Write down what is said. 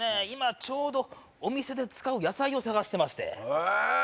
今ちょうどお店で使う野菜を探してましてへえああ